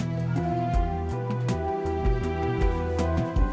sampai jumpa lagi